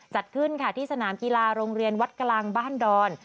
จัดขึ้นค่ะที่สนามกีฬาโรงเรียนวัดกลางบ้านดอน